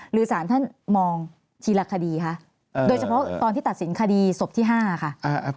หรือสารท่านมองทีละคดีคะโดยเฉพาะตอนที่ตัดสินคดีศพที่๕ค่ะ